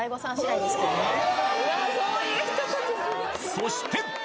そして！